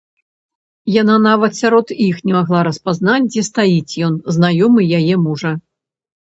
Яна нават сярод іх не магла распазнаць, дзе стаіць ён, знаёмы яе мужа.